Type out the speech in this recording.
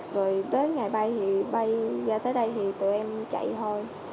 rồi tới ngày bay thì bay ra tới đây thì tụi em chạy thôi